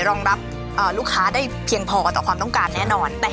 รองรับลูกค้าได้เพียงพอต่อความต้องการแน่นอน